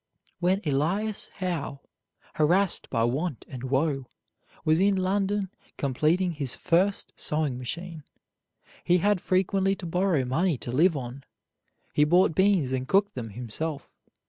When Elias Howe, harassed by want and woe, was in London completing his first sewing machine, he had frequently to borrow money to live on. He bought beans and cooked them himself.